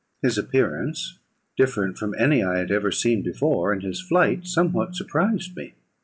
His appearance, different from any I had ever before seen, and his flight, somewhat surprised me.